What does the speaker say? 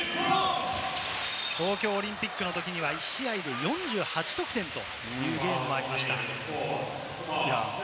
東京オリンピックでは１試合で４８得点というゲームもありました。